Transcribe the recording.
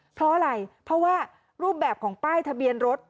เพราะอะไรเพราะว่ารูปแบบของป้ายทะเบียนรถ